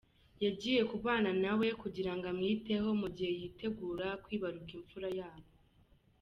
Yagiye kubana na we kugira ngo amwiteho mu gihe yitegura kwibaruka imfura yabo.